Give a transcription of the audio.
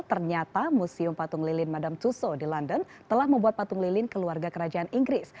ternyata museum patung lilin madam dua so di london telah membuat patung lilin keluarga kerajaan inggris